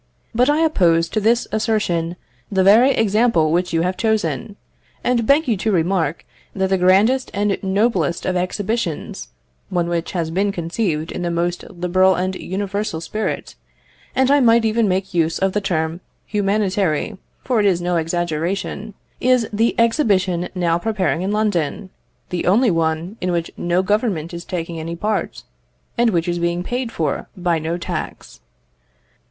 But I oppose to this assertion the very example which you have chosen, and beg you to remark, that the grandest and noblest of exhibitions, one which has been conceived in the most liberal and universal spirit and I might even make use of the term humanitary, for it is no exaggeration is the exhibition now preparing in London; the only one in which no government is taking any part, and which is being paid for by no tax.